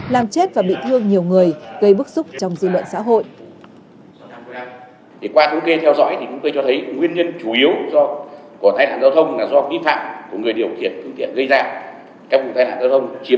làm chết và bị thương nhiều người gây bức xúc trong dư luận xã hội